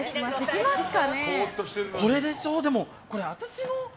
これでしょ？